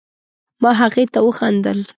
ما هغې ته وخندل